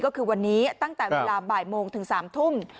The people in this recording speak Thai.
ก็คือวันนี้ตั้งแต่เวลาบ่ายโมงถึง๓ทุ่ม